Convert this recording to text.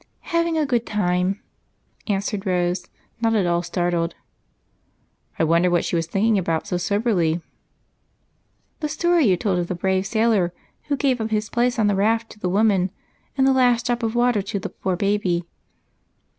"Having a good time," answered Rose, not at all startled. " I wonder what she was thinking about with such a sober look ?"" The story you told of the brave sailor who gave up his place on the raft to the woman, and the last drop of water to the jDoor baby.